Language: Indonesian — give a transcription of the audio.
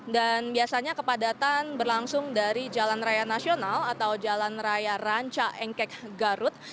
dan biasanya kepadatan berlangsung dari jalan raya nasional atau jalan raya ranca engkek garut